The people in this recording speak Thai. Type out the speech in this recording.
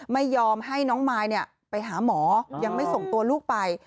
ไม่ยอมให้น้องมายไปหาหมอยังไม่ส่งตัวลูกไป